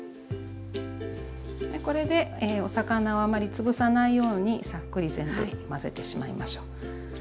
これでお魚をあまり潰さないようにさっくり全部混ぜてしまいましょう。